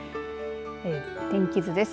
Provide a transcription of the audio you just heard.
天気図です。